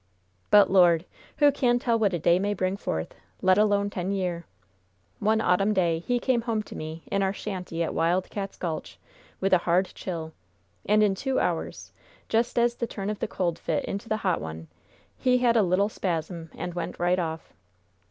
"But, Lord! who can tell what a day may bring forth, let alone ten year? One autumn day he came home to me, in our shanty at Wild Cats' Gulch, with a hard chill, and in two hours, just as the turn of the cold fit into the hot one, he had a little spasm and went right off.